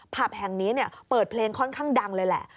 ผับแห่งนี้เปิดเพลงค่อนข้างดังเลยแหละ